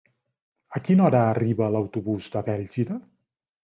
A quina hora arriba l'autobús de Bèlgida?